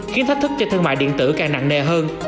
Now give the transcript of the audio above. khiến thách thức cho thương mại điện tử càng nặng nề hơn